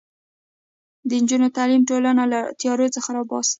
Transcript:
د نجونو تعلیم ټولنه له تیارو څخه راباسي.